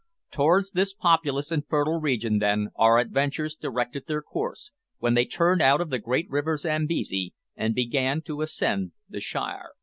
Towards this populous and fertile region, then, our adventurers directed their course, when they turned out of the great river Zambesi and began to ascend the Shire.